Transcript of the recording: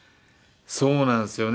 そうなんですよね。